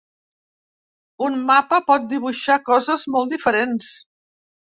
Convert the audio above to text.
Un mapa pot dibuixar coses molt diferents.